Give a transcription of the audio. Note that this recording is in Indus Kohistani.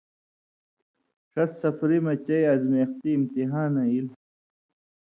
ݜس سفری مہ چٸ ازمیختی (اِمتحانہ) ایلیۡ۔